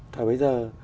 thời bấy giờ